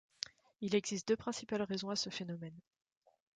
Il existe deux principales raisons à ce phénomène.